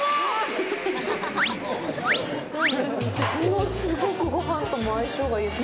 物すごくごはんとも相性がいいです。